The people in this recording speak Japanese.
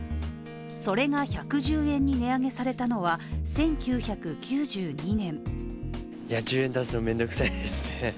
それが１１０円に値上げされたのは１９９２年。